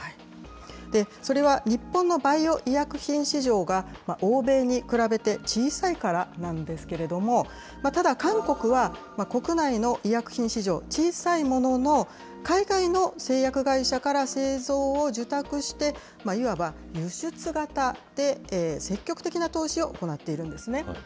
それは日本のバイオ医薬品市場が、欧米に比べて小さいからなんですけれども、ただ韓国は、国内の医薬品市場、小さいものの、海外の製薬会社から製造を受託して、いわば輸出型で積極的な投資を行っているんですね。